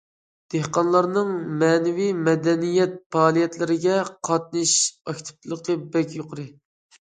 دېھقانلارنىڭ مەنىۋى مەدەنىيەت پائالىيەتلىرىگە قاتنىشىش ئاكتىپلىقى بەك يۇقىرى.